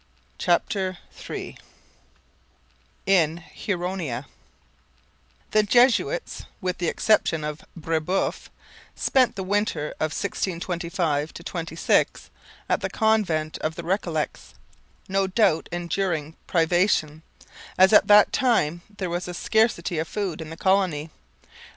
CHAPTER III IN HURONIA The Jesuits, with the exception of Brebeuf, spent the winter of 1625 26 at the convent of the Recollets, no doubt enduring privation, as at that time there was a scarcity of food in the colony.